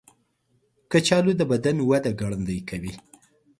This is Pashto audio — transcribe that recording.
کچالو د بدن وده ګړندۍ کوي.